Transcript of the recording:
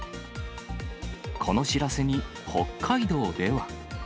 この知らせに、北海道では。